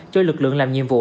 cho lực lượng làm nhiệm vụ